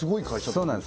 そうなんです